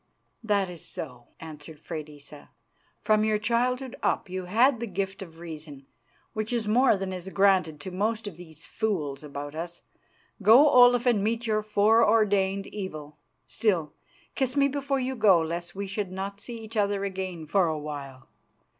"That is so," answered Freydisa. "From your childhood up you had the gift of reason which is more than is granted to most of these fools about us. Go, Olaf, and meet your fore ordained evil. Still, kiss me before you go lest we should not see each other again for a while.